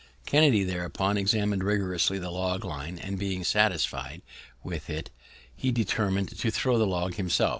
Kennedy thereupon examin'd rigorously the log line, and, being satisfi'd with that, he determin'd to throw the log himself.